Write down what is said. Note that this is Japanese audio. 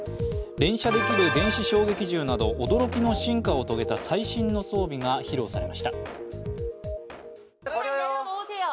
連射できる電子衝撃銃など、驚きの進化を遂げた最新の装備が披露されました。